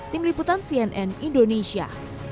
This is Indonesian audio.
tim liputan cnn indonesia